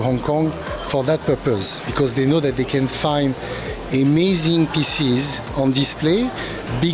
karena mereka tahu bahwa mereka dapat menemukan karya yang luar biasa di sini